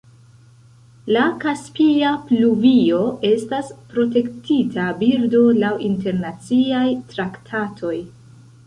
La kaspia pluvio estas protektita birdo laŭ internaciaj traktatoj.